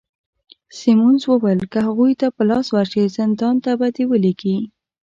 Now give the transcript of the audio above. سیمونز وویل: که هغوی ته په لاس ورشې، زندان ته به دي ولیږي.